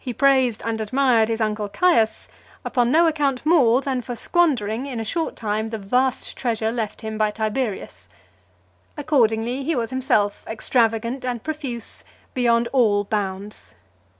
He praised and admired his uncle Caius , upon no account more, than for squandering in a short time the vast treasure left him by Tiberius. Accordingly, he was himself extravagant and profuse, beyond all bounds.